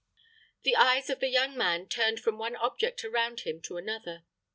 The eyes of the young man turned from one object around him to another.